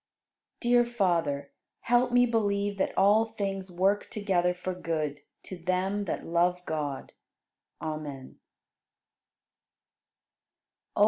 66. Dear Father, help me believe that all things work together for good to them that love God. Amen.